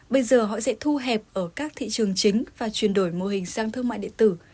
bây giờ họ sẽ thu hẹp ở các thị trường chính và chuyển đổi mô hình sang thương mại điện tử